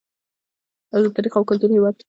د تاریخ او کلتور هیواد.